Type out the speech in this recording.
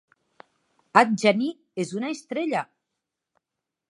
Adjani és una estrella.